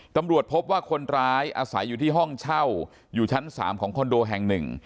ตำรวจพบว่าคนร้ายอาศัยอยู่ที่ห้องเช่าอยู่ชั้น๓ของคอนโดแห่งหนึ่ง